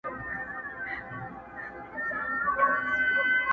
د کورنۍ ټول غړي له خلکو څخه پټ سوي او يوازي ژوند کوي،